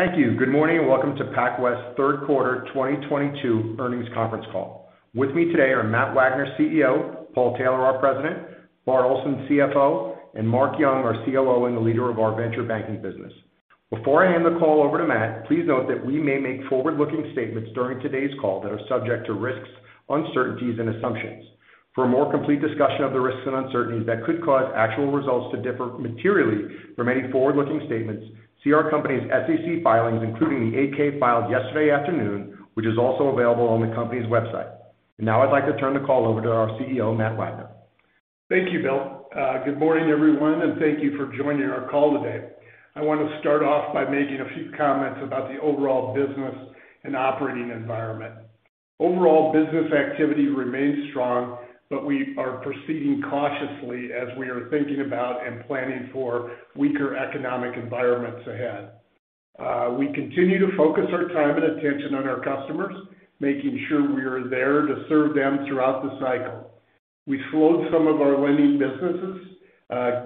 Thank you. Good morning, and welcome to PacWest's third quarter 2022 Earnings Conference Call. With me today are Matt Wagner, CEO, Paul Taylor, our President, Bart Olson, CFO, and Mark Yung, our COO and the leader of our venture banking business. Before I hand the call over to Matt, please note that we may make forward-looking statements during today's call that are subject to risks, uncertainties, and assumptions. For a more complete discussion of the risks and uncertainties that could cause actual results to differ materially from any forward-looking statements, see our company's SEC filings, including the 8-K filed yesterday afternoon, which is also available on the company's website. Now I'd like to turn the call over to our CEO, Matt Wagner. Thank you, Bill. Good morning, everyone, and thank you for joining our call today. I want to start off by making a few comments about the overall business and operating environment. Overall business activity remains strong, but we are proceeding cautiously as we are thinking about and planning for weaker economic environments ahead. We continue to focus our time and attention on our customers, making sure we are there to serve them throughout the cycle. We slowed some of our lending businesses,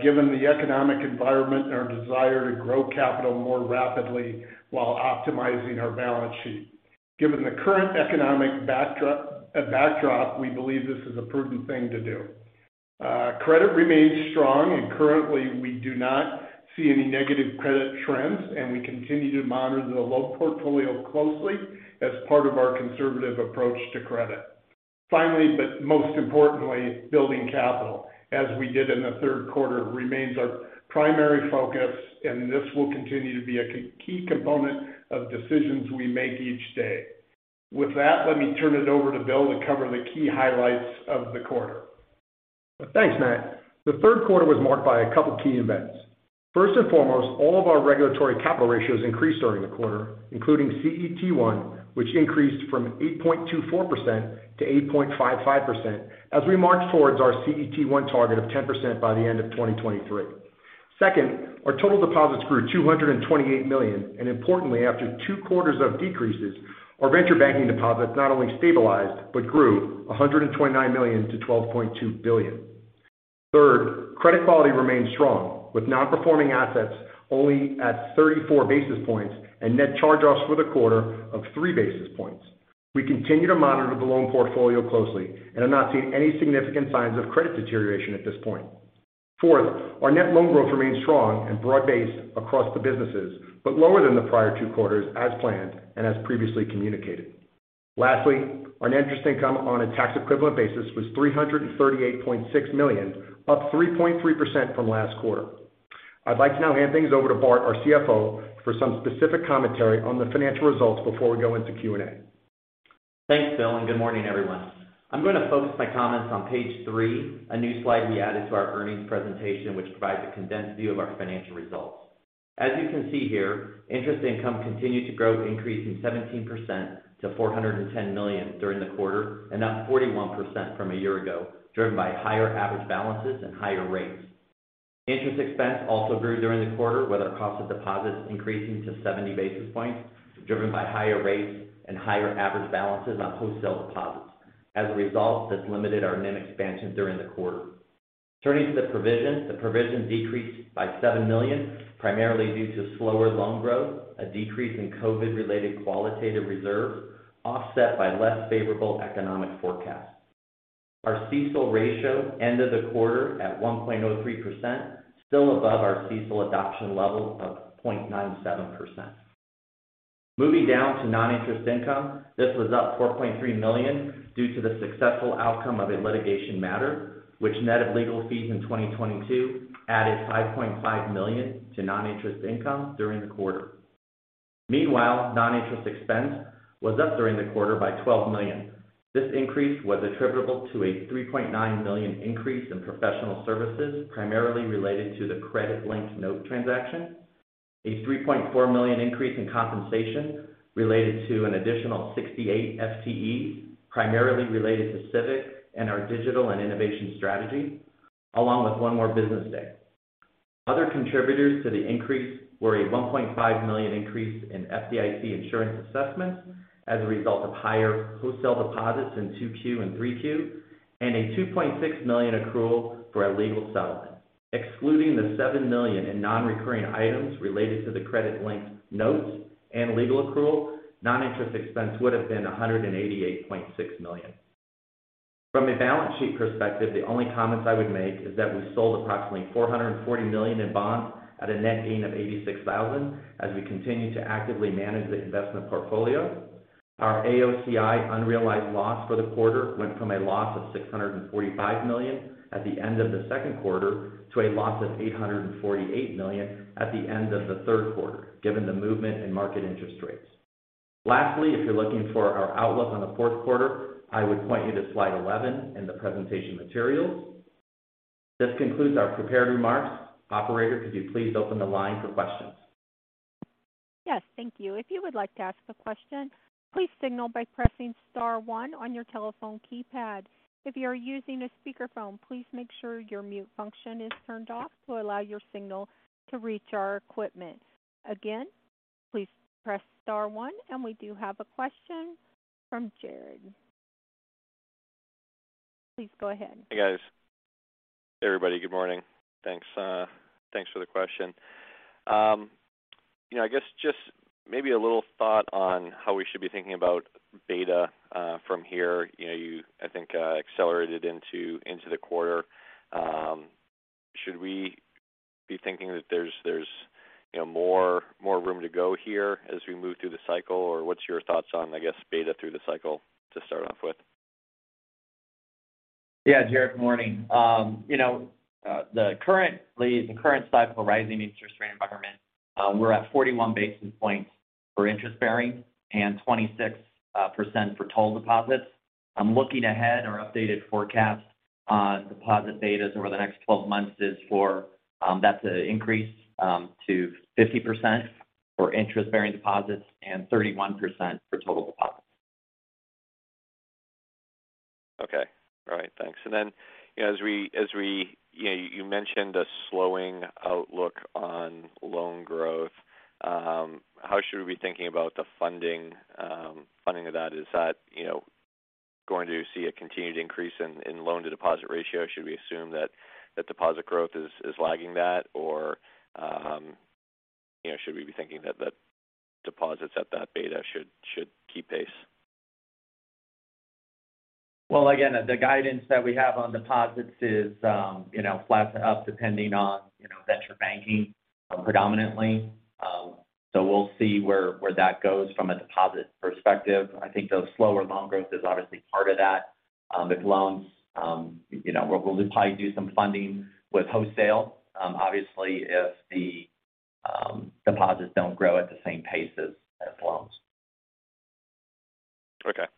given the economic environment and our desire to grow capital more rapidly while optimizing our balance sheet. Given the current economic backdrop, we believe this is a prudent thing to do. Credit remains strong and currently we do not see any negative credit trends, and we continue to monitor the loan portfolio closely as part of our conservative approach to credit. Finally, but most importantly, building capital, as we did in the third quarter, remains our primary focus and this will continue to be a key component of decisions we make each day. With that, let me turn it over to Bill to cover the key highlights of the quarter. Thanks, Matt. The third quarter was marked by a couple key events. First and foremost, all of our regulatory capital ratios increased during the quarter, including CET1, which increased from 8.24% to 8.55% as we march towards our CET1 target of 10% by the end of 2023. Second, our total deposits grew $228 million, and importantly, after two quarters of decreases, our venture banking deposits not only stabilized, but grew $129 million to $12.2 billion. Third, credit quality remains strong, with non-performing assets only at 34 basis points and net charge-offs for the quarter of 3 basis points. We continue to monitor the loan portfolio closely and have not seen any significant signs of credit deterioration at this point. Fourth, our net loan growth remains strong and broad-based across the businesses, but lower than the prior two quarters as planned and as previously communicated. Lastly, our net interest income on a tax equivalent basis was $338.6 million, up 3.3% from last quarter. I'd like to now hand things over to Bart, our CFO, for some specific commentary on the financial results before we go into Q&A. Thanks, Bill, and good morning, everyone. I'm going to focus my comments on page three, a new slide we added to our earnings presentation which provides a condensed view of our financial results. As you can see here, interest income continued to grow, increasing 17% to $410 million during the quarter, and up 41% from a year ago, driven by higher average balances and higher rates. Interest expense also grew during the quarter, with our cost of deposits increasing to 70 basis points, driven by higher rates and higher average balances on wholesale deposits. As a result, this limited our NIM expansion during the quarter. Turning to the provision, the provision decreased by $7 million, primarily due to slower loan growth, a decrease in COVID-related qualitative reserves, offset by less favorable economic forecasts. Our CECL ratio ended the quarter at 1.03%, still above our CECL adoption level of 0.97%. Moving down to non-interest income, this was up $4.3 million due to the successful outcome of a litigation matter which, net of legal fees in 2022, added $5.5 million to non-interest income during the quarter. Meanwhile, non-interest expense was up during the quarter by $12 million. This increase was attributable to a $3.9 million increase in professional services primarily related to the credit linked note transaction, a $3.4 million increase in compensation related to an additional 68 FTEs, primarily related to Civic and our digital and innovation strategy, along with one more business day. Other contributors to the increase were a $1.5 million increase in FDIC insurance assessments as a result of higher wholesale deposits in 2Q and 3Q, and a $2.6 million accrual for a legal settlement. Excluding the $7 million in non-recurring items related to the credit linked notes and legal accrual, non-interest expense would have been $188.6 million. From a balance sheet perspective, the only comments I would make is that we sold approximately $440 million in bonds at a net gain of $86,000 as we continue to actively manage the investment portfolio. Our AOCI unrealized loss for the quarter went from a loss of $645 million at the end of the second quarter to a loss of $848 million at the end of the third quarter, given the movement in market interest rates. Lastly, if you're looking for our outlook on the fourth quarter, I would point you to slide 11 in the presentation materials. This concludes our prepared remarks. Operator, could you please open the line for questions? Yes. Thank you. If you would like to ask a question, please signal by pressing star one on your telephone keypad. If you are using a speakerphone, please make sure your mute function is turned off to allow your signal to reach our equipment. Again, please press star one. We do have a question from Jared. Please go ahead. Hey, guys. Everybody, good morning. Thanks for the question. You know, I guess just maybe a little thought on how we should be thinking about beta from here. You know, you, I think, accelerated into the quarter. Should we be thinking that there's, you know, more room to go here as we move through the cycle? Or what's your thoughts on, I guess, beta through the cycle to start off with? Yeah. Jared, good morning. The current cycle rising interest rate environment, we're at 41 basis points for interest-bearing and 26% for total deposits. Looking ahead, our updated forecast on deposit betas over the next 12 months, that's an increase to 50% for interest-bearing deposits and 31% for total deposits. Okay. All right. Thanks. Then, you know, you mentioned a slowing outlook on loan growth. How should we be thinking about the funding of that? Is that, you know, going to see a continued increase in loan-to-deposit ratio? Should we assume that deposit growth is lagging that? Or, you know, should we be thinking that the deposits at that beta should keep pace? Well, again, the guidance that we have on deposits is, you know, flat to up depending on, you know, venture banking predominantly. We'll see where that goes from a deposit perspective. I think the slower loan growth is obviously part of that. With loans, you know, we'll probably do some funding with wholesale, obviously if the deposits don't grow at the same pace as loans. Okay.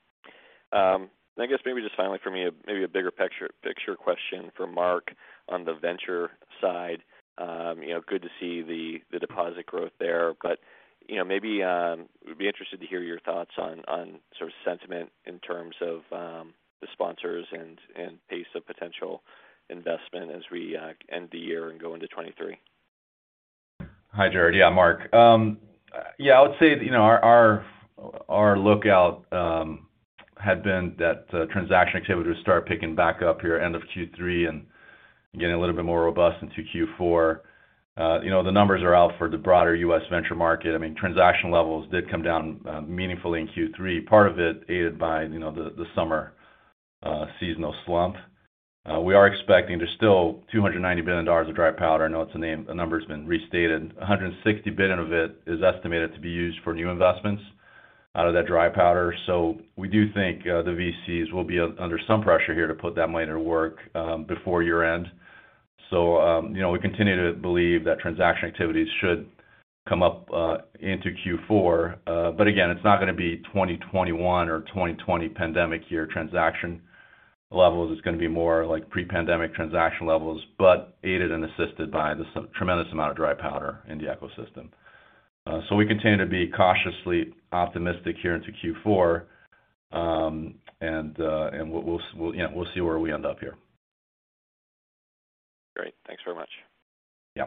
I guess maybe just finally for me, maybe a bigger picture question for Mark on the venture side. You know, good to see the deposit growth there. You know, maybe would be interested to hear your thoughts on sort of sentiment in terms of the sponsors and pace of potential investment as we end the year and go into 2023. Hi, Jared. Yeah, Mark. Yeah, I would say, you know, our outlook had been that transaction activity would start picking back up here end of Q3 and getting a little bit more robust into Q4. You know, the numbers are out for the broader U.S. venture market. I mean, transaction levels did come down meaningfully in Q3. Part of it aided by, you know, the summer seasonal slump. We are expecting there's still $290 billion of dry powder. I know it's a name, the number's been restated. $160 billion of it is estimated to be used for new investments out of that dry powder. So we do think the VCs will be under some pressure here to put that money to work before year-end. You know, we continue to believe that transaction activities should come up into Q4. Again, it's not gonna be 2021 or 2020 pandemic year transaction levels. It's gonna be more like pre-pandemic transaction levels, but aided and assisted by this tremendous amount of dry powder in the ecosystem. We continue to be cautiously optimistic here into Q4. We'll see where we end up here. Great. Thanks very much. Yeah.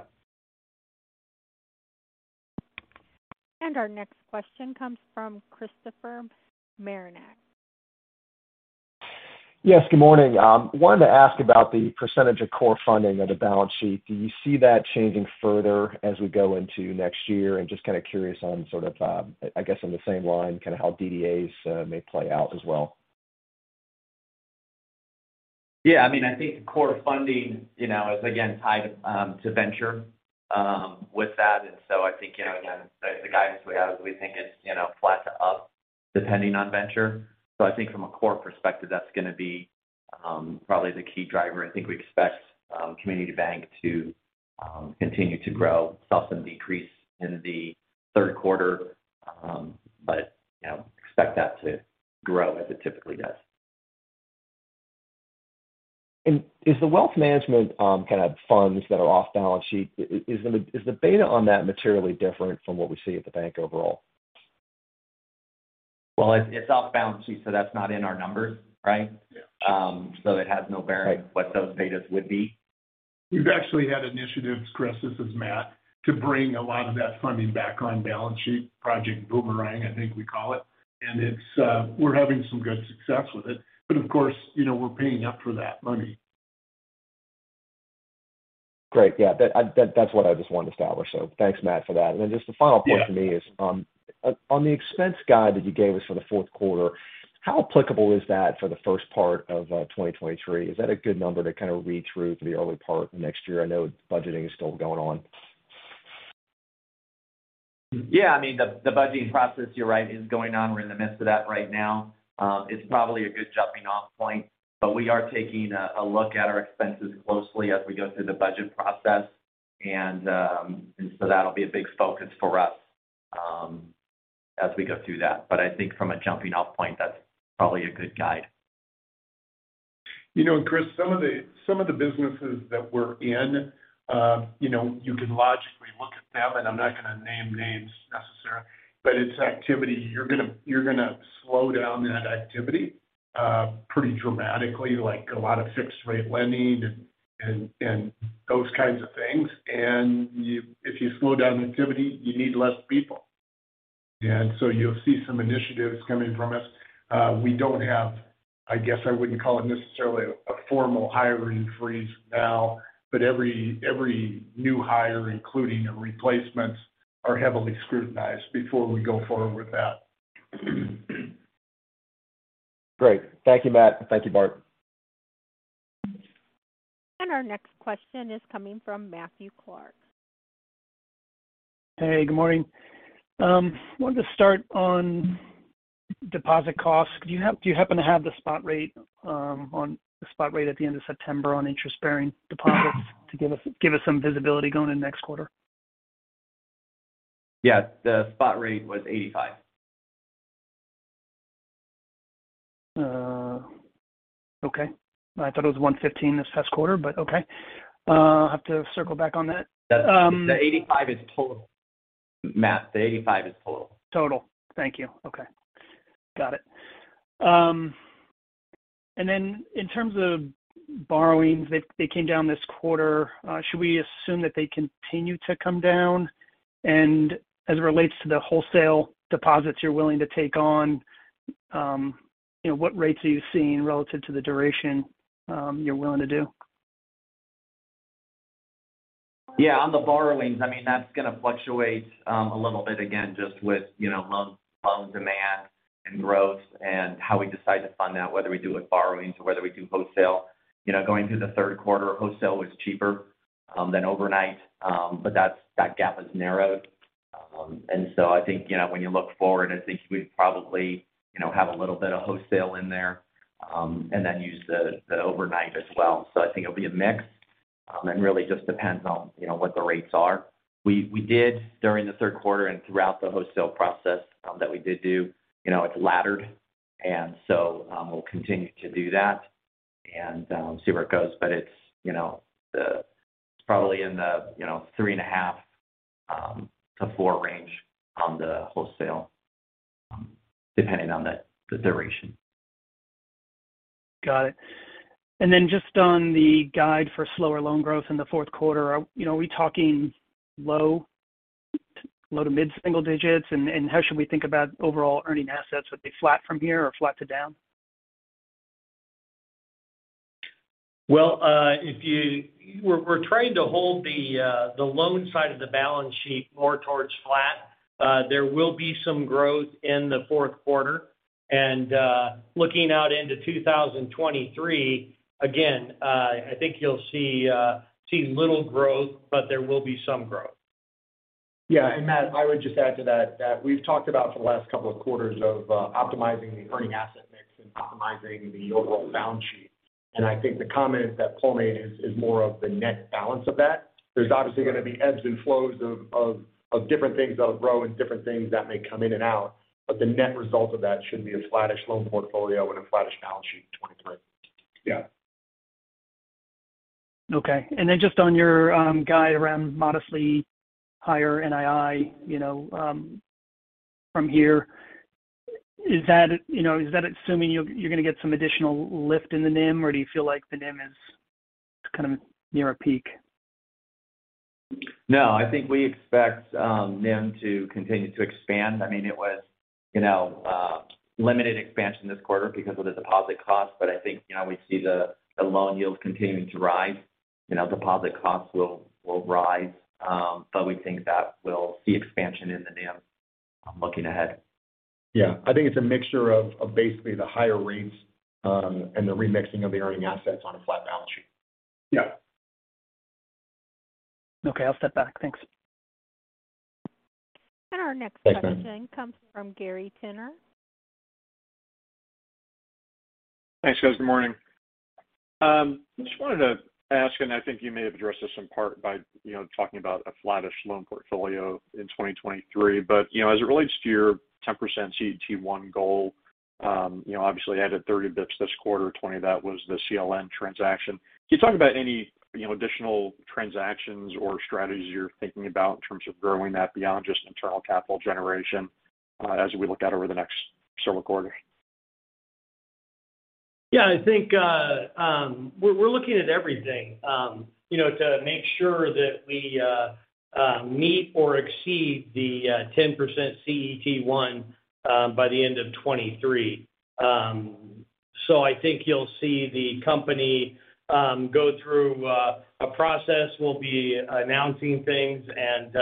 Our next question comes from Christopher Marinac. Yes, good morning. Wanted to ask about the percentage of core funding of the balance sheet. Do you see that changing further as we go into next year? Just kind of curious on sort of, I guess in the same line, kind of how DDAs may play out as well. Yeah, I mean, I think core funding, you know, is again tied to venture with that. I think, you know, again, the guidance we have, we think is, you know, flat to up depending on venture. I think from a core perspective, that's gonna be probably the key driver. I think we expect community bank to continue to grow. Saw some decrease in the third quarter, but, you know, expect that to grow as it typically does. Is the wealth management, kind of funds that are off balance sheet, is the beta on that materially different from what we see at the bank overall? Well, it's off balance sheet, so that's not in our numbers, right? Yeah. It has no bearing. Right what those betas would be. We've actually had initiatives, Chris, this is Matt, to bring a lot of that funding back on balance sheet. Project Boomerang, I think we call it. We're having some good success with it. But of course, you know, we're paying up for that money. Great. Yeah. That, that's what I just wanted to establish, so thanks, Matt, for that. Just the final point for me is, on the expense guide that you gave us for the fourth quarter, how applicable is that for the first part of 2023? Is that a good number to kind of read through for the early part of next year? I know budgeting is still going on. Yeah. I mean, the budgeting process, you're right, is going on. We're in the midst of that right now. It's probably a good jumping-off point, but we are taking a look at our expenses closely as we go through the budget process. That'll be a big focus for us, as we go through that. I think from a jumping-off point, that's probably a good guide. You know, Chris, some of the businesses that we're in, you know, you can logically look at them, and I'm not gonna name names necessarily, but it's activity. You're gonna slow down that activity pretty dramatically, like a lot of fixed rate lending and those kinds of things. If you slow down activity, you need less people. You'll see some initiatives coming from us. We don't have, I guess, I wouldn't call it necessarily a formal hiring freeze now, but every new hire, including replacements, are heavily scrutinized before we go forward with that. Great. Thank you, Matt. Thank you, Bart. Our next question is coming from Matthew Clark. Hey, good morning. Wanted to start on deposit costs. Do you happen to have the spot rate on the spot rate at the end of September on interest-bearing deposits to give us some visibility going into next quarter? Yes. The spot rate was 85. Okay. I thought it was 1:15 this past quarter, but okay. I'll have to circle back on that. The 85 is total. Matt, the 85 is total. Total. Thank you. Okay. Got it. In terms of borrowings, they came down this quarter. Should we assume that they continue to come down? As it relates to the wholesale deposits you're willing to take on, you know, what rates are you seeing relative to the duration you're willing to do? Yeah. On the borrowings, I mean, that's gonna fluctuate a little bit again, just with, you know, loan demand and growth and how we decide to fund that, whether we do it borrowings or whether we do wholesale. You know, going through the third quarter, wholesale was cheaper than overnight. That gap has narrowed. I think, you know, when you look forward, I think we probably, you know, have a little bit of wholesale in there, and then use the overnight as well. I think it'll be a mix, and really just depends on, you know, what the rates are. We did during the third quarter and throughout the wholesale process that we did do, you know, it's laddered and so, we'll continue to do that and see where it goes. It's, you know, probably in the 3.5-4 range on the wholesale, depending on the duration. Got it. Just on the guide for slower loan growth in the fourth quarter. You know, are we talking low to mid-single digits? How should we think about overall earning assets? Would they be flat from here or flat to down? We're trying to hold the loan side of the balance sheet more towards flat. There will be some growth in the fourth quarter. Looking out into 2023, again, I think you'll see little growth, but there will be some growth. Yeah. Matt, I would just add to that we've talked about for the last couple of quarters of optimizing the earning asset mix and optimizing the overall balance sheet. I think the comment that Paul made is more of the net balance of that. There's obviously going to be ebbs and flows of different things that'll grow and different things that may come in and out. The net result of that should be a flattish loan portfolio and a flattish balance sheet in 2023. Yeah. Just on your guide around modestly higher NII, you know, from here. Is that, you know, is that assuming you're gonna get some additional lift in the NIM or do you feel like the NIM is kind of near a peak? No, I think we expect NIM to continue to expand. I mean, it was, you know, limited expansion this quarter because of the deposit costs, but I think, you know, we see the loan yields continuing to rise. You know, deposit costs will rise. We think that we'll see expansion in the NIM looking ahead. Yeah. I think it's a mixture of basically the higher rates, and the remixing of the earning assets on a flat balance sheet. Yeah. Okay, I'll step back. Thanks. Our next question- Thanks, Matt. comes from Gary Tenner. Thanks, guys. Good morning. Just wanted to ask, and I think you may have addressed this in part by, you know, talking about a flattish loan portfolio in 2023. You know, as it relates to your 10% CET1 goal, you know, obviously added 30 basis points this quarter. 20 of that was the CLN transaction. Can you talk about any, you know, additional transactions or strategies you're thinking about in terms of growing that beyond just internal capital generation, as we look out over the next several quarters? Yeah. I think we're looking at everything, you know, to make sure that we meet or exceed the 10% CET1 by the end of 2023. I think you'll see the company go through a process. We'll be announcing things and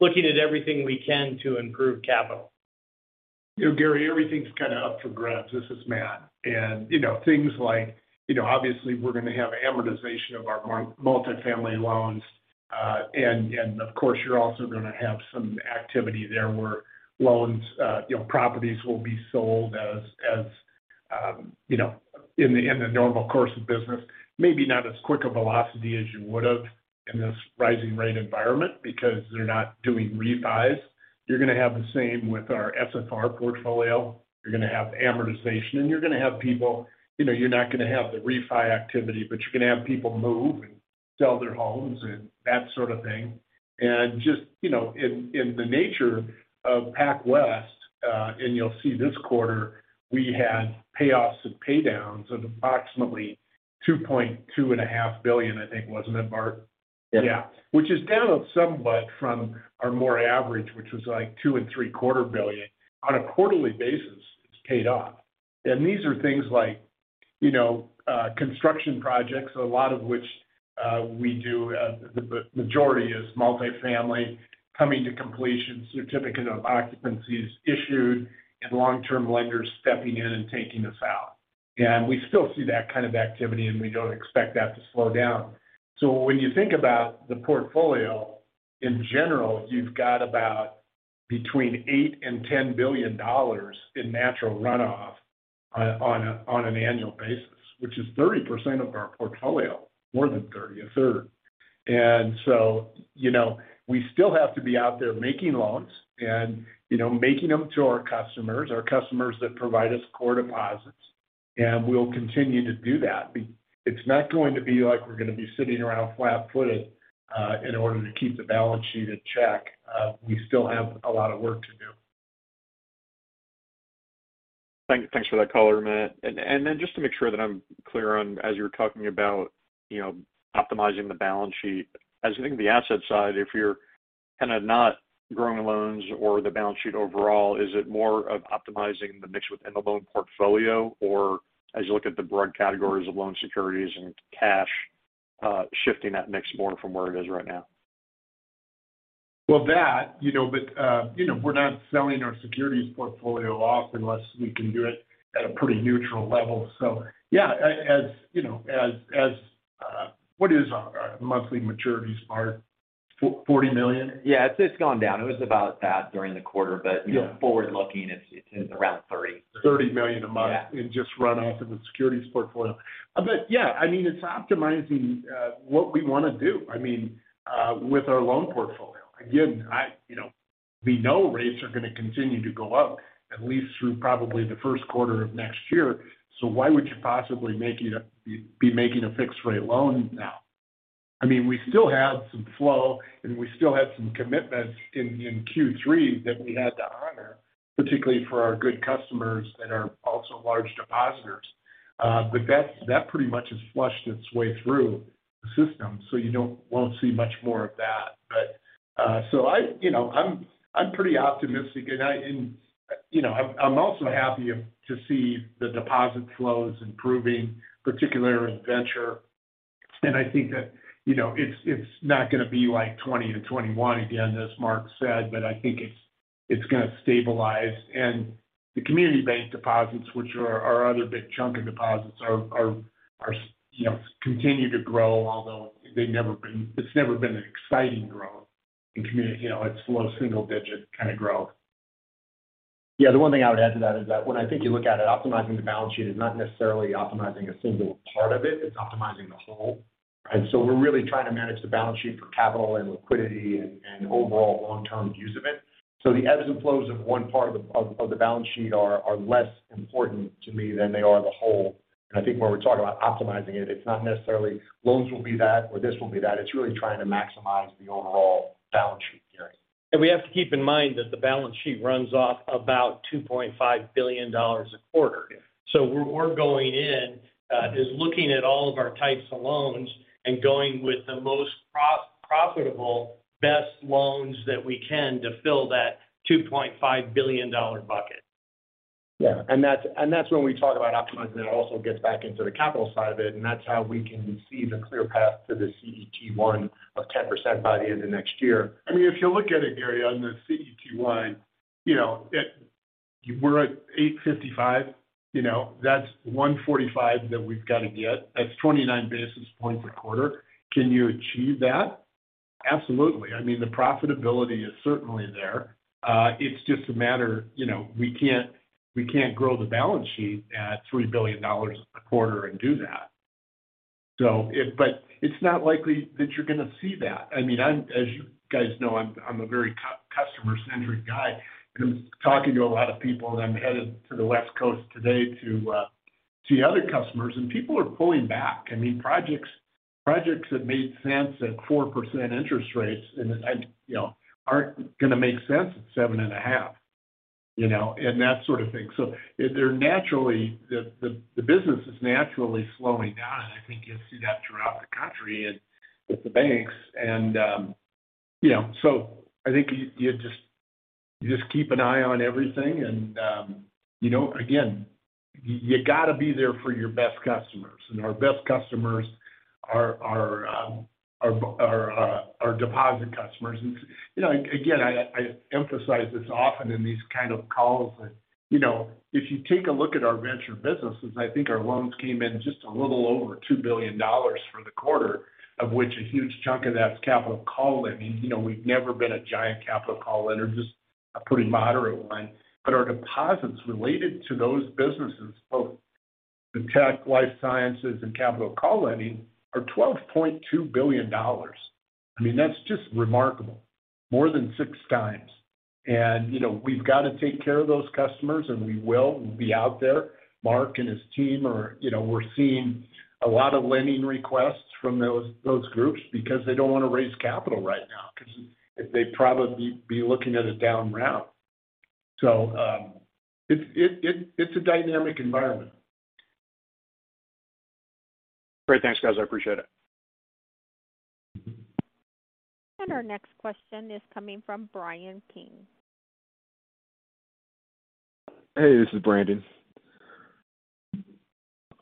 looking at everything we can to improve capital. You know, Gary, everything's kind of up for grabs. This is Matt. You know, things like, you know, obviously we're going to have amortization of our multifamily loans. And of course, you're also gonna have some activity there where loans, you know, properties will be sold as, you know, in the normal course of business. Maybe not as quick a velocity as you would've in this rising rate environment because they're not doing refis. You're gonna have the same with our SFR portfolio. You're gonna have amortization, and you're gonna have people, you know, you're not gonna have the refi activity, but you're gonna have people move and sell their homes and that sort of thing. Just, you know, in the nature of PacWest, and you'll see this quarter, we had payoffs and paydowns of approximately $2.25 billion, I think, wasn't it, Bart? Yeah. Which is down somewhat from our more average, which was like $2.75 billion. On a quarterly basis, it's paid off. These are things like, you know, construction projects, a lot of which we do, the majority is multi-family coming to completion, certificate of occupancy is issued, and long-term lenders stepping in and taking us out. We still see that kind of activity, and we don't expect that to slow down. When you think about the portfolio, in general, you've got about between $8 billion and $10 billion in natural runoff on an annual basis, which is 30% of our portfolio, more than 30%, a third. You know, we still have to be out there making loans and, you know, making them to our customers, our customers that provide us core deposits, and we'll continue to do that. It's not going to be like we're gonna be sitting around flat-footed, in order to keep the balance sheet in check. We still have a lot of work to do. Thanks for that color, Matt. Just to make sure that I'm clear on, as you're talking about, you know, optimizing the balance sheet. As you think of the asset side, if you're kind of not growing loans or the balance sheet overall, is it more of optimizing the mix within the loan portfolio? Or as you look at the broad categories of loans, securities, and cash, shifting that mix more from where it is right now? Well, you know, we're not selling our securities portfolio off unless we can do it at a pretty neutral level. Yeah, as you know, what is our monthly maturities, Mark? $440 million. Yeah. It's gone down. It was about that during the quarter. Yeah. You know, forward looking, it's around 30. $30 million a month. Yeah It's just runoff of the securities portfolio. Yeah, I mean, it's optimizing what we wanna do. I mean, with our loan portfolio. Again, you know, we know rates are gonna continue to go up at least through probably the first quarter of next year. Why would you possibly be making a fixed rate loan now? I mean, we still have some flow, and we still have some commitments in Q3 that we had to honor, particularly for our good customers that are also large depositors. But that pretty much has flushed its way through the system. You won't see much more of that. I, you know, I'm pretty optimistic. I, you know, I'm also happy to see the deposit flows improving, particularly with venture. I think that, you know, it's not gonna be like 2020 and 2021 again, as Mark said, but I think it's gonna stabilize. The community bank deposits, which are our other big chunk of deposits, are, you know, continue to grow, although it's never been an exciting growth in community. You know, it's low single digit kinda growth. Yeah. The one thing I would add to that is that when I think you look at it, optimizing the balance sheet is not necessarily optimizing a single part of it's optimizing the whole. We're really trying to manage the balance sheet for capital and liquidity and overall long-term use of it. The ebbs and flows of one part of the balance sheet are less important to me than they are the whole. I think when we're talking about optimizing it's not necessarily loans will be that or this will be that. It's really trying to maximize the overall balance sheet, Gary. We have to keep in mind that the balance sheet runs off about $2.5 billion a quarter. Yeah. Where we're going in is looking at all of our types of loans and going with the most profitable, best loans that we can to fill that $2.5 billion bucket. Yeah. That's when we talk about optimizing it also gets back into the capital side of it, and that's how we can see the clear path to the CET1 of 10% by the end of next year. I mean, if you look at it, Gary, on the CET1, you know, we're at 8.55. You know, that's 1.45 that we've got to get. That's 29 basis points a quarter. Can you achieve that? Absolutely. I mean, the profitability is certainly there. It's just a matter, you know, we can't grow the balance sheet at $3 billion a quarter and do that. But it's not likely that you're gonna see that. I mean, I'm, as you guys know, I'm a very customer-centric guy. Been talking to a lot of people, and I'm headed to the West Coast today to see other customers. People are pulling back. I mean, projects that made sense at 4% interest rates and, you know, aren't gonna make sense at 7.5, you know, and that sort of thing. The business is naturally slowing down. I think you'll see that throughout the country and with the banks. I think you just keep an eye on everything and, again, you gotta be there for your best customers. Our best customers are deposit customers. Again, I emphasize this often in these kind of calls. If you take a look at our venture businesses, I think our loans came in just a little over $2 billion for the quarter, of which a huge chunk of that's capital call lending. We've never been a giant capital call lender, just a pretty moderate one. Our deposits related to those businesses, both the tech, life sciences, and capital call lending, are $12.2 billion. I mean, that's just remarkable. More than 6 times. You know, we've got to take care of those customers, and we will. We'll be out there. Mark and his team are. You know, we're seeing a lot of lending requests from those groups because they don't want to raise capital right now because they'd probably be looking at a down round. It's a dynamic environment. Great. Thanks, guys. I appreciate it. Our next question is coming from Brandon King. Hey, this is Brandon.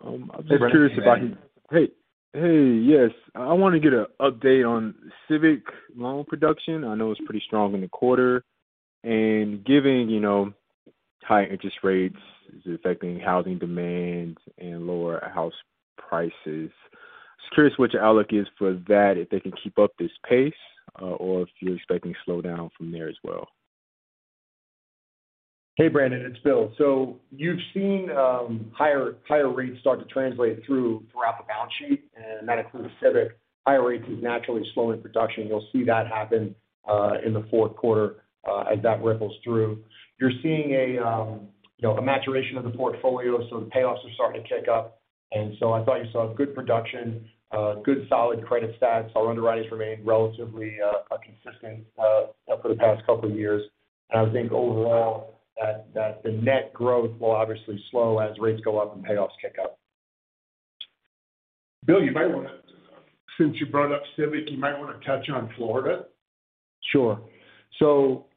I'm just curious about. Hey, Brandon. Hey. Hey. Yes. I wanna get an update on Civic loan production. I know it's pretty strong in the quarter, and given, you know, high interest rates is affecting housing demands and lower house prices. Just curious what your outlook is for that, if they can keep up this pace, or if you're expecting slowdown from there as well. Hey, Brandon, it's Bill. You've seen higher rates start to translate throughout the balance sheet, and that includes Civic. Higher rates is naturally slowing production. You'll see that happen in the fourth quarter as that ripples through. You're seeing, you know, a maturation of the portfolio, so the payoffs are starting to kick up. I thought you saw good production, good solid credit stats. Our underwriting has remained relatively consistent for the past couple of years. I would think overall that the net growth will obviously slow as rates go up and payoffs kick up. Bill, since you brought up Civic, you might wanna touch on Florida. Sure.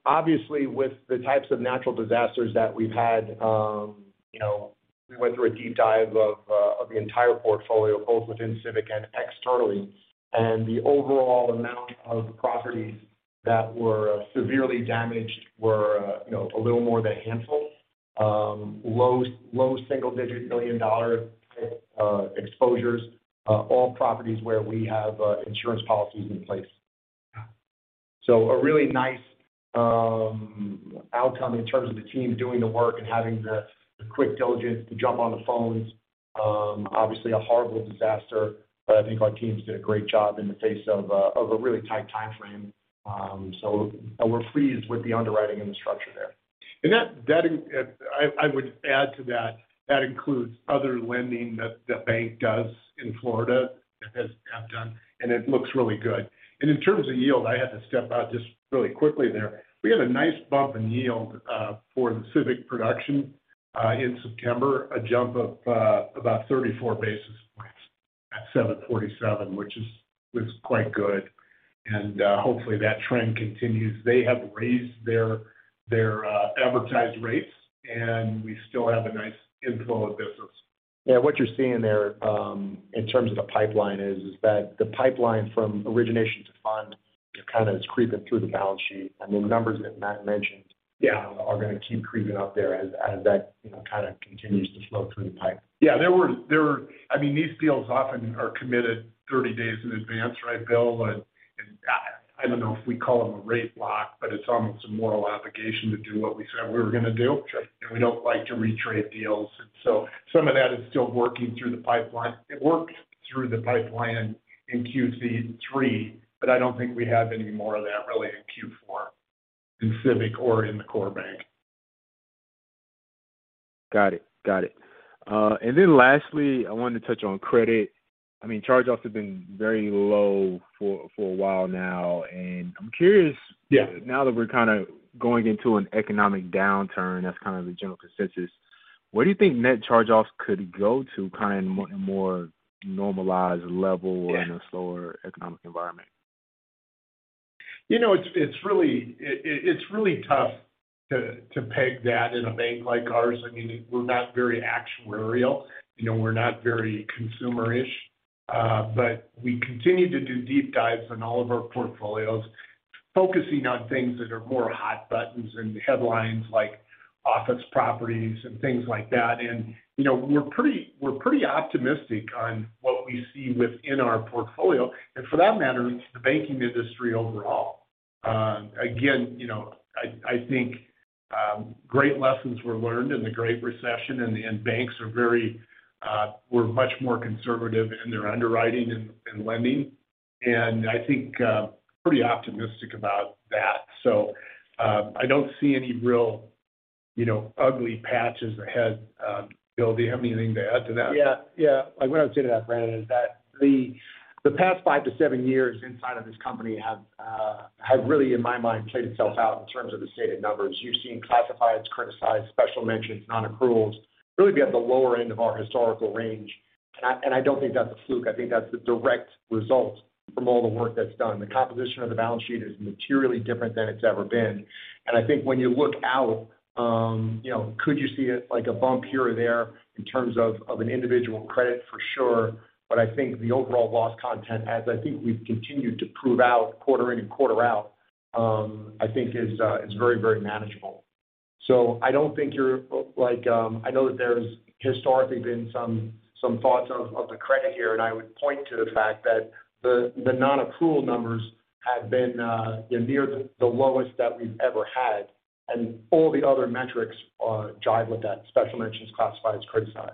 Obviously, with the types of natural disasters that we've had, you know, we went through a deep dive of the entire portfolio, both within Civic and externally. The overall amount of properties that were severely damaged were a little more than a handful. Low single-digit $ million-dollar exposures, all properties where we have insurance policies in place. A really nice outcome in terms of the team doing the work and having the quick diligence to jump on the phones. Obviously a horrible disaster, but I think our teams did a great job in the face of a really tight timeframe. We're pleased with the underwriting and the structure there. I would add to that includes other lending that the bank does in Florida and has done, and it looks really good. In terms of yield, I had to step out just really quickly there. We had a nice bump in yield for the Civic production in September, a jump of about 34 basis points at 7.47, which was quite good. Hopefully, that trend continues. They have raised their advertised rates, and we still have a nice inflow of business. Yeah. What you're seeing there, in terms of the pipeline is that the pipeline from origination to fund kind of is creeping through the balance sheet. I mean, the numbers that Matt mentioned. Yeah are gonna keep creeping up there as that, you know, kind of continues to flow through the pipe. Yeah. There were, I mean, these deals often are committed thirty days in advance, right, Bill? I don't know if we call them a rate lock, but it's almost a moral obligation to do what we said we were gonna do. Sure. We don't like to re-trade deals. Some of that is still working through the pipeline. It worked through the pipeline in Q3, but I don't think we have any more of that really in Q4, in Civic or in the core bank. Got it. Lastly, I wanted to touch on credit. I mean, charge-offs have been very low for a while now. I'm curious- Yeah Now that we're kind of going into an economic downturn, that's kind of the general consensus, where do you think net charge-offs could go to kind more and more normalized level? Yeah in a slower economic environment? You know, it's really tough to peg that in a bank like ours. I mean, we're not very actuarial. You know, we're not very consumer-ish. But we continue to do deep dives on all of our portfolios, focusing on things that are more hot buttons and headlines like office properties and things like that. You know, we're pretty optimistic on what we see within our portfolio, and for that matter, it's the banking industry overall. Again, you know, I think great lessons were learned in the Great Recession, and banks are much more conservative in their underwriting and lending. I think pretty optimistic about that. I don't see any real ugly patches ahead. Bill, do you have anything to add to that? Yeah. Like, what I would say to that, Brandon, is that the past five-seven years inside of this company have really, in my mind, played itself out in terms of the stated numbers. You've seen classifieds, criticized, special mentions, non-accruals really be at the lower end of our historical range. I don't think that's a fluke. I think that's the direct result from all the work that's done. The composition of the balance sheet is materially different than it's ever been. I think when you look out, you know, could you see it like a bump here or there in terms of an individual credit? For sure. I think the overall loss content as I think we've continued to prove out quarter in and quarter out, I think is very, very manageable. I don't think you're like, I know that there's historically been some thoughts of the credit here, and I would point to the fact that the non-accrual numbers have been, you know, near the lowest that we've ever had, and all the other metrics jibe with that. Special mentions, classifieds, criticized.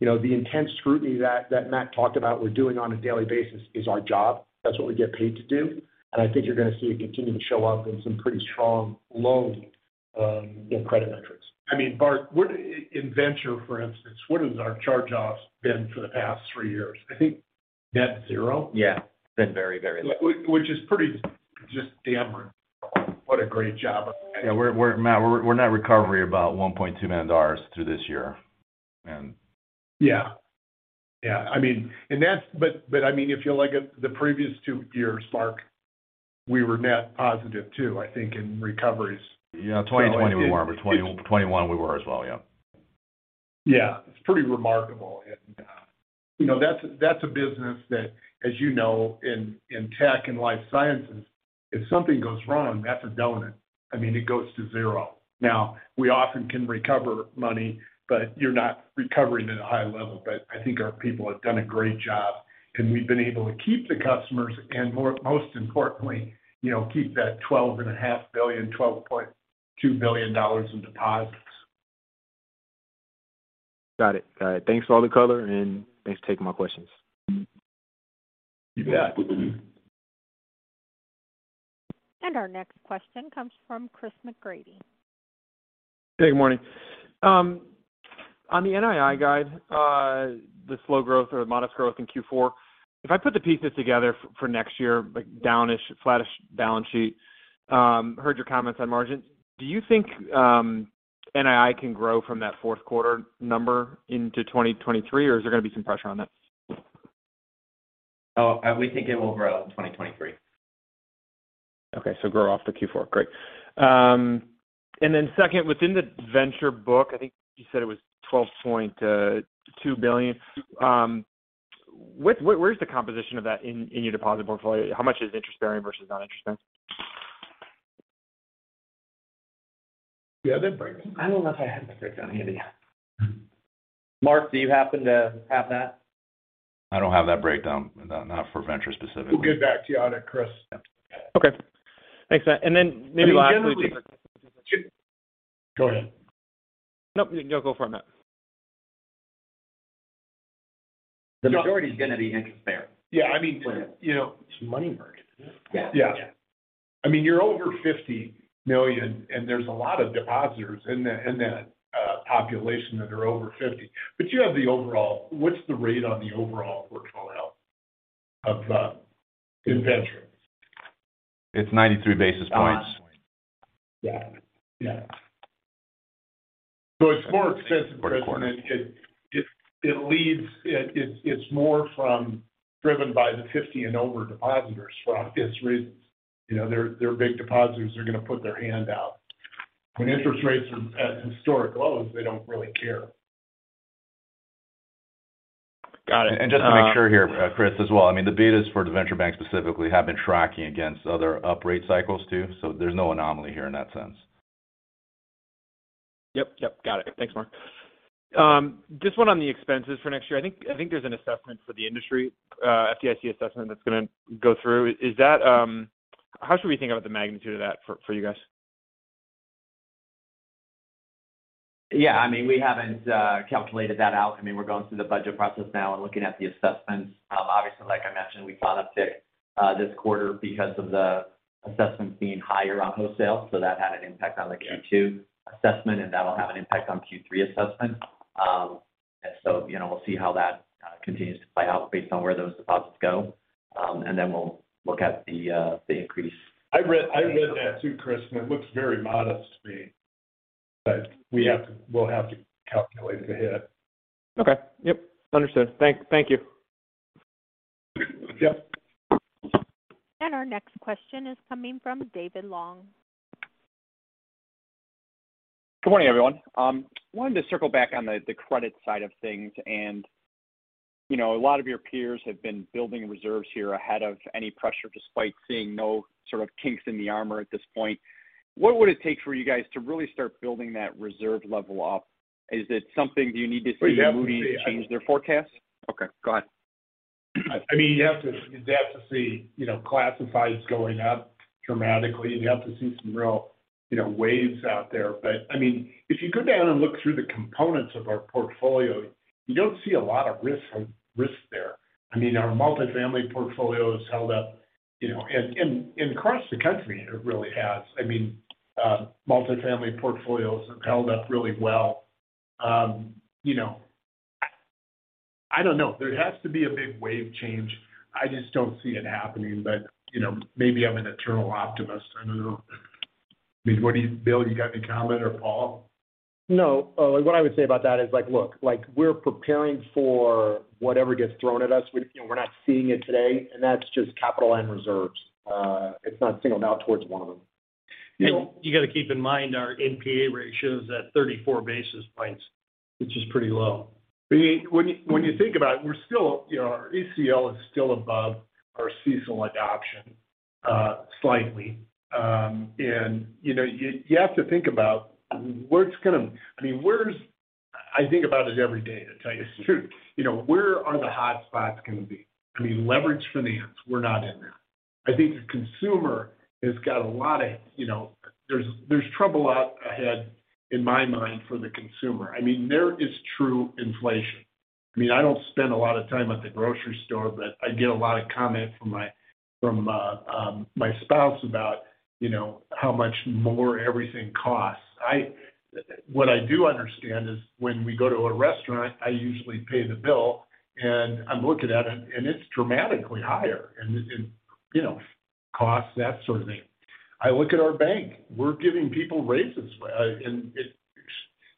You know, the intense scrutiny that Matt talked about we're doing on a daily basis is our job. That's what we get paid to do. I think you're gonna see it continue to show up in some pretty strong loan, you know, credit metrics. I mean, Bart, what in venture, for instance, what has our charge-offs been for the past three years? I think net zero. Yeah. Been very, very low. Which is pretty just damning. What a great job. Yeah. Matt, we're net recovery about $1.2 million through this year. Yeah. I mean, but I mean, if you look at the previous two years, Mark, we were net positive too, I think, in recoveries. Yeah. 2020 we were. 2021 we were as well, yeah. Yeah. It's pretty remarkable. You know, that's a business that, as you know, in tech and life sciences, if something goes wrong, that's a donut. I mean, it goes to zero. Now, we often can recover money, but you're not recovering at a high level. I think our people have done a great job, and we've been able to keep the customers and most importantly, you know, keep that $12.5 billion, $12.2 billion in deposits. Got it. Thanks for all the color, and thanks for taking my questions. You bet. Our next question comes from Chris McGratty. Hey, good morning. On the NII guide, the slow growth or modest growth in Q4, if I put the pieces together for next year, like, down-ish, flattish balance sheet, heard your comments on margin. Do you think, NII can grow from that fourth quarter number into 2023, or is there going to be some pressure on that? We think it will grow in 2023. Growth off the Q4. Great. Second, within the venture book, I think you said it was $12.2 billion. Where's the composition of that in your deposit portfolio? How much is interest-bearing versus non-interest-bearing? Yeah, they're breaking. I don't know if I have the breakdown handy. Mark, do you happen to have that? I don't have that breakdown, no, not for venture specifically. We'll get back to you on it, Chris. Okay. Thanks, man. Maybe lastly. Go ahead. Nope, you go. Go for it, Matt. The majority is going to be interest-bearing. Yeah. I mean, you know. It's money market, isn't it? Yeah. I mean, you're over $50 million, and there's a lot of depositors in that population that are over fifty. You have the overall, what's the rate on the overall portfolio of in venture? It's 93 basis points. It's more expensive because it's more driven by the 50 and over depositors for obvious reasons. You know, they're big depositors. They're going to put their hand out. When interest rates are at historic lows, they don't really care. Got it. Just to make sure here, Chris, as well, I mean, the betas for the venture bank specifically have been tracking against other up-rate cycles too. There's no anomaly here in that sense. Yep. Got it. Thanks, Mark. Just one on the expenses for next year. I think there's an assessment for the industry, FDIC assessment that's going to go through. Is that. How should we think about the magnitude of that for you guys? Yeah, I mean, we haven't calculated that out. I mean, we're going through the budget process now and looking at the assessments. Obviously, like I mentioned, we got uptick this quarter because of the assessments being higher on wholesale, so that had an impact on the Q2 assessment, and that'll have an impact on the Q3 assessment. You know, we'll see how that continues to play out based on where those deposits go. We'll look at the increase. I read that too, Chris, and it looks very modest to me. We'll have to calculate it ahead. Okay. Yep, understood. Thank you. Yep. Our next question is coming from David Feaster. Good morning, everyone. Wanted to circle back on the credit side of things. You know, a lot of your peers have been building reserves here ahead of any pressure despite seeing no sort of kinks in the armor at this point. What would it take for you guys to really start building that reserve level up? Is it something you need to see Moody's change their forecast? Okay, go ahead. I mean, you have to, you'd have to see, you know, classifieds going up dramatically. You'd have to see some real, you know, waves out there. I mean, if you go down and look through the components of our portfolio, you don't see a lot of risk there. I mean, our multifamily portfolio has held up, you know, and across the country, it really has. I mean, multifamily portfolios have held up really well. You know, I don't know. There has to be a big wave change. I just don't see it happening. You know, maybe I'm an eternal optimist. I don't know. I mean, what do you, Bill, you got any comment or Paul? No. What I would say about that is like, look, like, we're preparing for whatever gets thrown at us. We, you know, we're not seeing it today, and that's just capital and reserves. It's not singled out towards one of them. You know, you got to keep in mind our NPA ratio is at 34 basis points, which is pretty low. I mean, when you think about it, we're still, you know, our ACL is still above our CECL adoption slightly. You know, you have to think about where it's gonna be. I mean, I think about it every day, to tell you the truth. You know, where are the hotspots going to be? I mean, leverage finance, we're not in there. I think the consumer has got a lot of, you know, there's trouble up ahead in my mind for the consumer. I mean, there is true inflation. I mean, I don't spend a lot of time at the grocery store, but I get a lot of comments from my spouse about, you know, how much more everything costs. What I do understand is when we go to a restaurant, I usually pay the bill, and I'm looking at it, and it's dramatically higher, and you know, costs, that sort of thing. I look at our bank. We're giving people raises.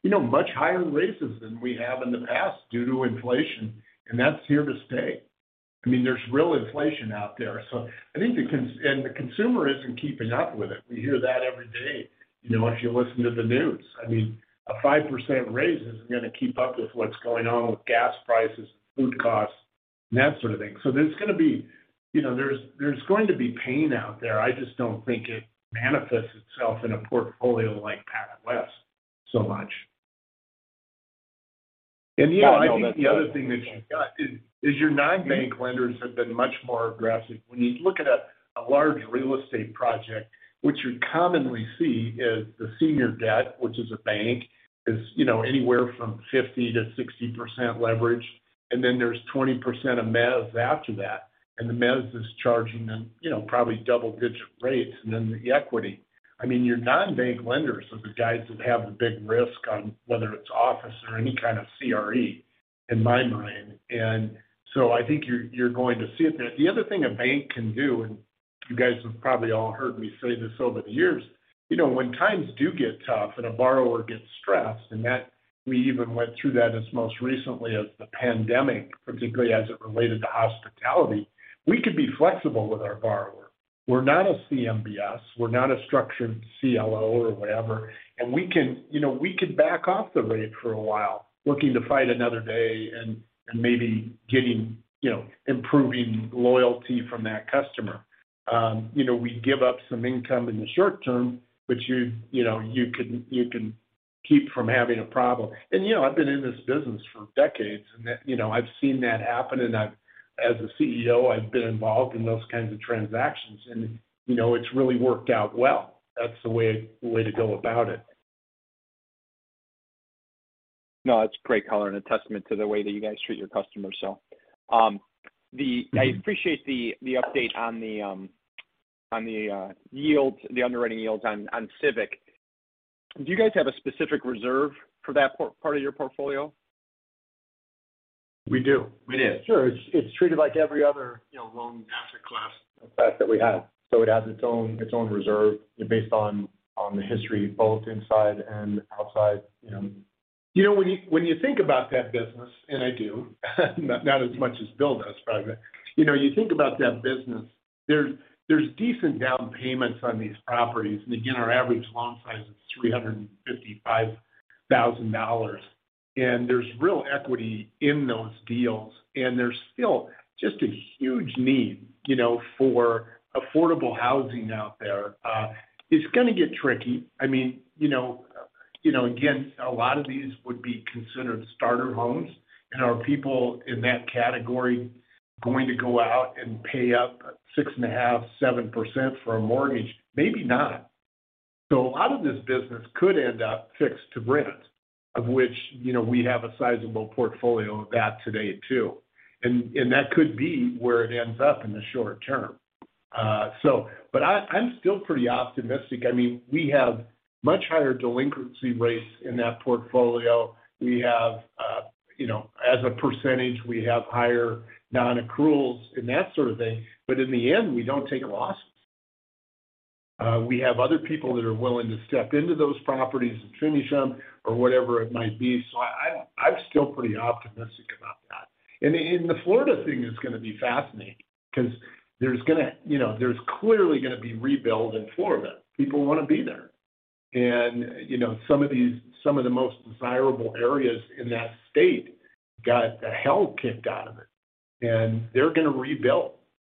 You know, much higher raises than we have in the past due to inflation, and that's here to stay. I mean, there's real inflation out there. I think the consumer isn't keeping up with it. We hear that every day, you know, if you listen to the news. I mean, a 5% raise isn't gonna keep up with what's going on with gas prices, food costs, and that sort of thing. There's gonna be pain out there. You know, there's going to be pain out there. I just don't think it manifests itself in a portfolio like PacWest so much. Yeah, I think the other thing that you've got is your non-bank lenders have been much more aggressive. When you look at a large real estate project, what you commonly see is the senior debt, which is a bank, you know, anywhere from 50%-60% leverage, and then there's 20% of mezz after that, and the mezz is charging them, you know, probably double-digit rates, and then the equity. I mean, your non-bank lenders are the guys that have the big risk on whether it's office or any kind of CRE, in my mind. I think you're going to see it there. The other thing a bank can do, and you guys have probably all heard me say this over the years, you know, when times do get tough and a borrower gets stressed, and that we even went through that as most recently as the pandemic, particularly as it related to hospitality, we could be flexible with our borrower. We're not a CMBS, we're not a structured CLO or whatever, and we can, you know, we could back off the rate for a while, looking to fight another day and maybe getting, you know, improving loyalty from that customer. You know, we give up some income in the short term, but you know, you can keep from having a problem. You know, I've been in this business for decades, and that you know, I've seen that happen, and as a CEO, I've been involved in those kinds of transactions and you know, it's really worked out well. That's the way to go about it. No, that's a great color and a testament to the way that you guys treat your customers. Mm-hmm. I appreciate the update on the yields, the underwriting yields on Civic. Do you guys have a specific reserve for that part of your portfolio? We do. We do. Sure. It's treated like every other, you know, loan asset class that we have. It has its own reserve based on the history, both inside and outside. You know? You know, when you think about that business, and I do, not as much as Bill does, probably. You know, you think about that business, there's decent down payments on these properties. Again, our average loan size is $355,000. There's real equity in those deals. There's still just a huge need, you know, for affordable housing out there. It's gonna get tricky. I mean, you know, again, a lot of these would be considered starter homes. Are people in that category going to go out and pay up 6.5%-7% for a mortgage? Maybe not. A lot of this business could end up fixed to rent, of which, you know, we have a sizable portfolio of that today too. That could be where it ends up in the short term. I'm still pretty optimistic. I mean, we have much higher delinquency rates in that portfolio. We have, you know, as a percentage, we have higher non-accruals and that sort of thing. In the end, we don't take a loss. We have other people that are willing to step into those properties and finish them or whatever it might be. I'm still pretty optimistic about that. The Florida thing is gonna be fascinating because, you know, there's clearly gonna be rebuild in Florida. People wanna be there. You know, some of the most desirable areas in that state got the hell kicked out of it, and they're gonna rebuild.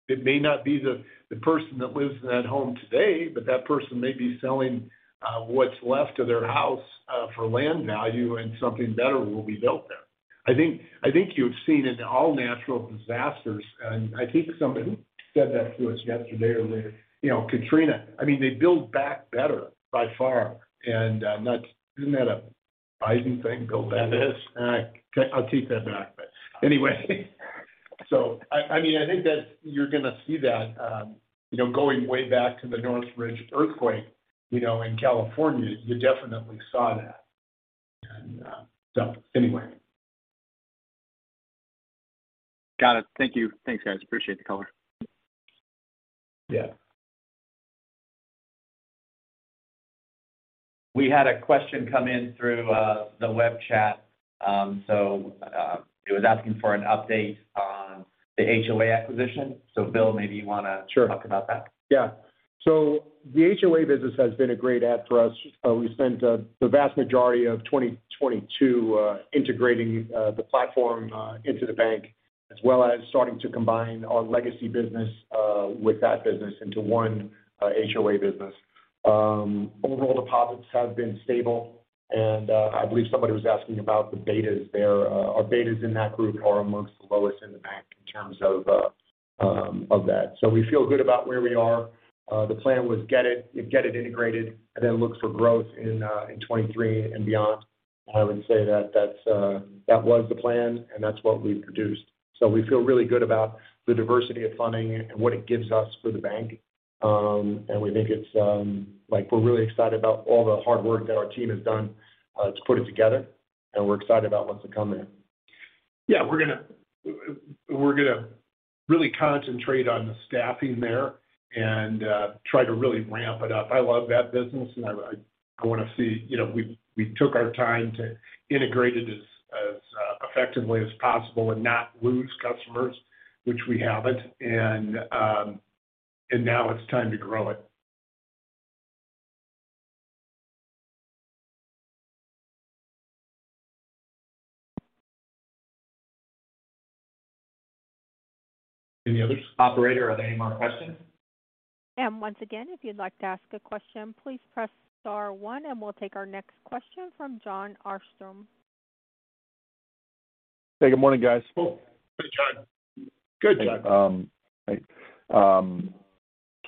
It may not be the person that lives in that home today, but that person may be selling what's left of their house for land value and something better will be built there. I think you've seen in all natural disasters, and I think somebody said that to us yesterday or later. You know, Katrina, I mean, they build back better by far. That's. Isn't that a Biden thing? Build Back Better. It is. All right. I'll take that back. Anyway, I mean, I think that you're gonna see that, you know, going way back to the Northridge earthquake, you know, in California, you definitely saw that. Anyway. Got it. Thank you. Thanks, guys. Appreciate the color. Yeah. We had a question come in through the web chat, so it was asking for an update on the HOA acquisition. Bill, maybe you wanna- Sure. Talk about that. Yeah. The HOA business has been a great add for us. We spent the vast majority of 2022 integrating the platform into the bank as well as starting to combine our legacy business with that business into one HOA business. Overall deposits have been stable, and I believe somebody was asking about the betas there. Our betas in that group are among the lowest in the bank in terms of that. We feel good about where we are. The plan was to get it integrated, and then look for growth in 2023 and beyond. I would say that that was the plan, and that's what we've produced. We feel really good about the diversity of funding and what it gives us for the bank. We think it's like we're really excited about all the hard work that our team has done to put it together, and we're excited about what's to come there. Yeah, we're gonna really concentrate on the staffing there and try to really ramp it up. I love that business, and I wanna see, you know, we took our time to integrate it as effectively as possible and not lose customers, which we haven't, and now it's time to grow it. Any others? Operator, are there any more questions? Once again, if you'd like to ask a question, please press star one, and we'll take our next question from Jon Arfstrom. Hey, good morning, guys. Oh, hey, John. Good, John.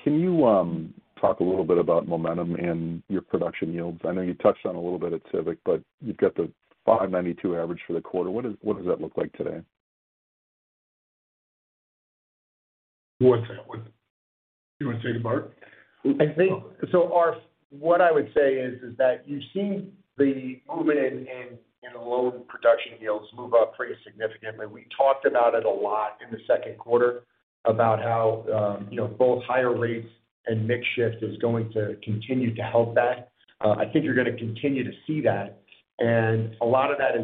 Can you talk a little bit about momentum and your production yields? I know you touched on a little bit at Civic, but you've got the 5.92% average for the quarter. What does that look like today? What's that one? You wanna take it, Bart? What I would say is that you've seen the movement in loan production yields move up pretty significantly. We talked about it a lot in the second quarter about how, you know, both higher rates and mix shift is going to continue to help that. I think you're gonna continue to see that. A lot of that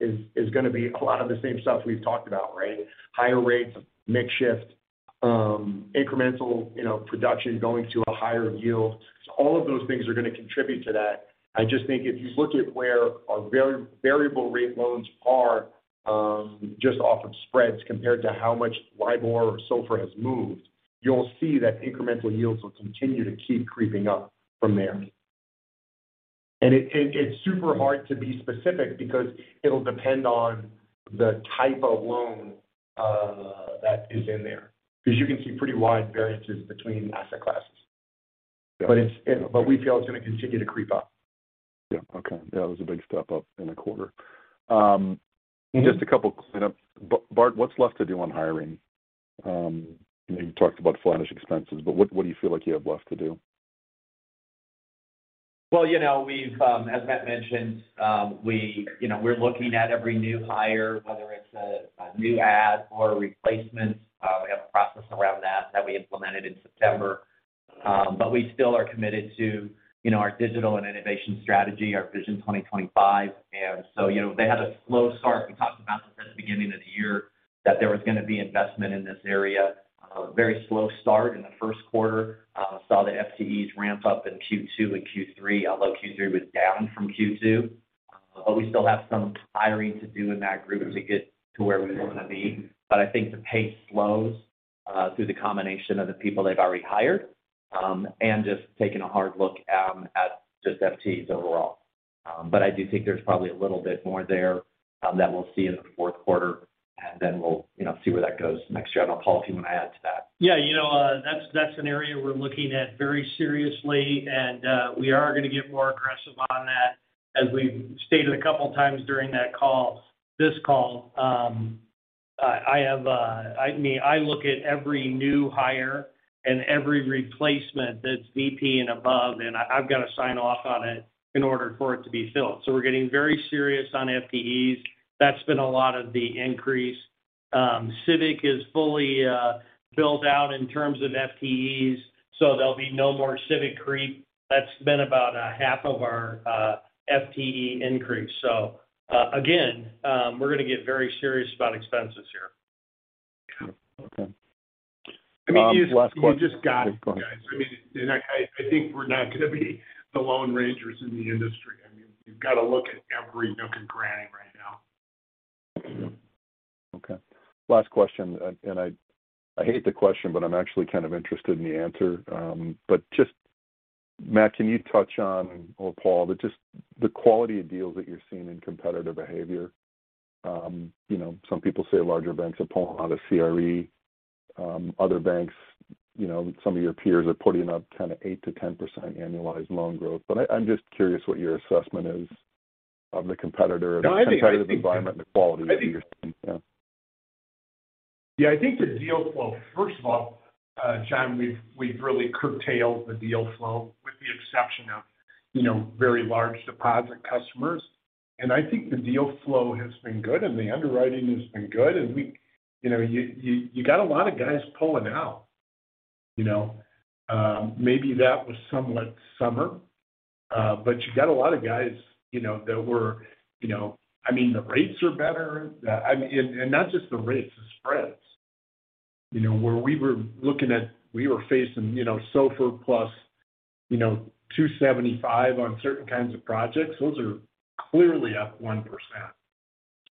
is gonna be a lot of the same stuff we've talked about, right? Higher rates, mix shift, incremental, you know, production going to a higher yield. All of those things are gonna contribute to that. I just think if you look at where our variable rate loans are, just off of spreads compared to how much LIBOR or SOFR has moved, you'll see that incremental yields will continue to keep creeping up from there. It's super hard to be specific because it'll depend on the type of loan that is in there. 'Cause you can see pretty wide variances between asset classes. Yeah. We feel it's gonna continue to creep up. Yeah. Okay. Yeah, that was a big step up in the quarter. Just a couple cleanup. Bart, what's left to do on hiring? You know, you talked about further expenses, but what do you feel like you have left to do? Well, you know, as Matt mentioned, we, you know, we're looking at every new hire, whether it's a new add or a replacement. We have a process around that we implemented in September. We still are committed to, you know, our digital and innovation strategy, our Vision 2025. You know, they had a slow start. We talked about this at the beginning of the year that there was gonna be investment in this area. A very slow start in the first quarter. Saw the FTEs ramp up in Q2 and Q3, although Q3 was down from Q2. We still have some hiring to do in that group to get to where we want to be. I think the pace slows through the combination of the people they've already hired and just taking a hard look at just FTEs overall. I do think there's probably a little bit more there that we'll see in the fourth quarter, and then we'll, you know, see where that goes next year. I don't know, Paul, if you want to add to that. Yeah. You know, that's an area we're looking at very seriously and we are gonna get more aggressive on that. As we've stated a couple times during that call, this call, I mean, I look at every new hire and every replacement that's VP and above, and I've got to sign off on it in order for it to be filled. We're getting very serious on FTEs. That's been a lot of the increase. Civic is fully built out in terms of FTEs, so there'll be no more Civic creep. That's been about half of our FTE increase. Again, we're gonna get very serious about expenses here. Okay. Last question. I mean, you just got it, guys. I mean, I think we're not gonna be the lone rangers in the industry. I mean, you've got to look at every nook and cranny right now. Yeah. Okay. Last question, and I hate the question, but I'm actually kind of interested in the answer. But just, Matt, can you touch on or Paul, but just the quality of deals that you're seeing in competitive behavior. You know, some people say larger banks are pulling out of CRE. Other banks, you know, some of your peers are putting up kind of 8%-10% annualized loan growth. But I'm just curious what your assessment is of the competitor- No, I think. The competitive environment, the quality that you're seeing. Yeah. Yeah, I think the deal flow, first of all, John, we've really curtailed the deal flow with the exception of, you know, very large deposit customers. I think the deal flow has been good and the underwriting has been good. We, you know, you got a lot of guys pulling out, you know. Maybe that was somewhat summer, but you got a lot of guys, you know. I mean, the rates are better. I mean, and not just the rates, the spreads. You know, where we were facing, you know, SOFR plus, you know, 275 on certain kinds of projects. Those are clearly up 1%.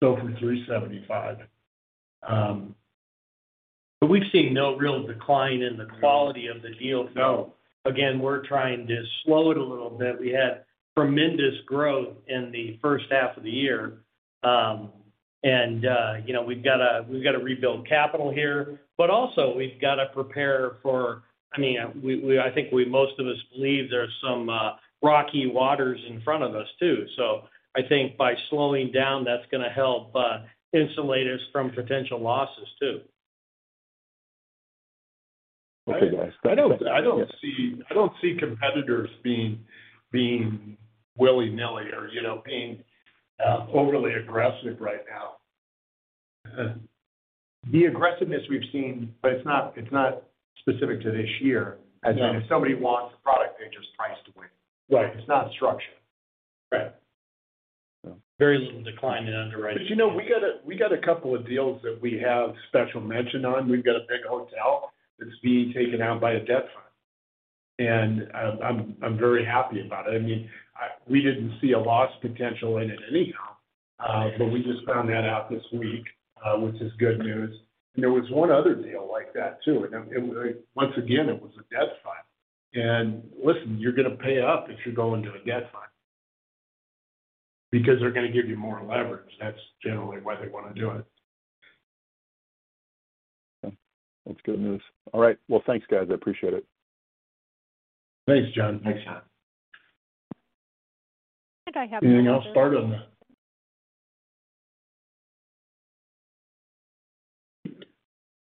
SOFR 375. We've seen no real decline in the quality of the deal flow. Again, we're trying to slow it a little bit. We had tremendous growth in the first half of the year. You know, we've got to rebuild capital here. Also we've got to prepare for, I mean, I think most of us believe there's some rocky waters in front of us too. I think by slowing down, that's gonna help insulate us from potential losses too. Okay. Guys. I don't see competitors being willy-nilly or, you know, being overly aggressive right now. The aggressiveness we've seen, but it's not specific to this year. Yeah. As in if somebody wants a product, they just price to win. Right. It's not structure. Right. Very little decline in underwriting. You know, we got a couple of deals that we have special mention on. We've got a big hotel that's being taken out by a debt fund, and I'm very happy about it. I mean, we didn't see a loss potential in it anyhow, but we just found that out this week, which is good news. There was one other deal like that too. Once again, it was a debt fund. Listen, you're gonna pay up if you're going to a debt fund because they're gonna give you more leverage. That's generally why they wanna do it. Yeah. That's good news. All right. Well, thanks, guys. I appreciate it. Thanks, John. Thanks, John. I think I have. Anything else, Bart on that?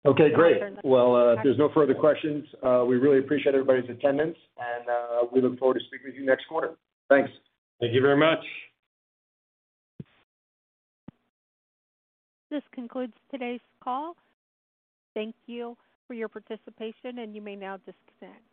Okay, great. Well, if there's no further questions, we really appreciate everybody's attendance and, we look forward to speaking with you next quarter. Thanks. Thank you very much. This concludes today's call. Thank you for your participation, and you may now disconnect.